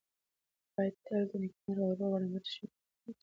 باید تل د نېکمرغه او روغ رمټ ژوند لپاره هڅه وکړو.